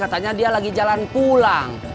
katanya dia lagi jalan pulang